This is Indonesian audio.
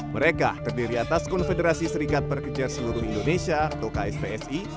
mereka terdiri atas konfederasi serikat pekerja seluruh indonesia atau kspsi